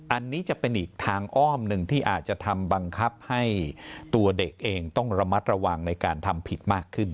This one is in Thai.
อันนี้จะเป็นอีกทางอ้อมหนึ่งที่อาจจะทำบังคับให้ตัวเด็กเองต้องระมัดระวังในการทำผิดมากขึ้น